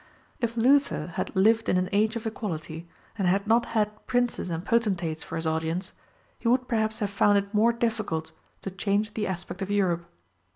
If Luther had lived in an age of equality, and had not had princes and potentates for his audience, he would perhaps have found it more difficult to change the aspect of Europe.